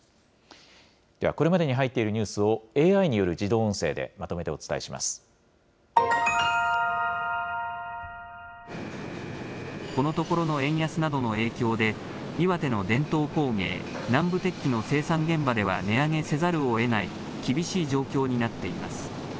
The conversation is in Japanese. ではこれまでに入っているニュースを、ＡＩによる自動音声でまとこのところの円安などの影響で、岩手の伝統工芸、南部鉄器の生産現場では値上げせざるをえない厳しい状況になっています。